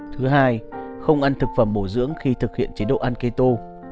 thứ hai không ăn thực phẩm bổ dưỡng khi thực hiện chế độ ăn keto